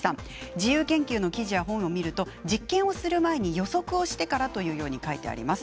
自由研究の記事や本を見ると実験をする前に予測してからと書いてあります。